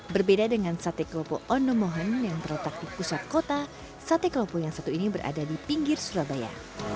berbeda dengan sate klopo onomohan yang terletak di pusat kota sate klopo yang satu ini berada di pinggir surabaya